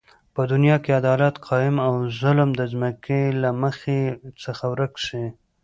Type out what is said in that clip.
په دنیا کی عدالت قایم او ظلم د ځمکی له مخ څخه ورک سی